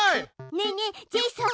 ねえねえジェイソン。